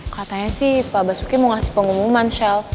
katanya sih pak basuki mau ngasih pengumuman shell